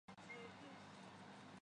通称左近。